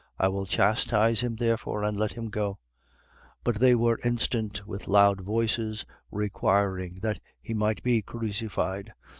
I will chastise him therefore and let him go. 23:23. But they were instant with loud voices, requiring that he might be crucified.